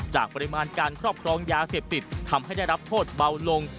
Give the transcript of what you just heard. ปริมาณการครอบครองยาเสพติดทำให้ได้รับโทษเบาลง